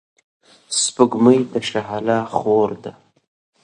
سپوږمۍ د شهلا خور ده.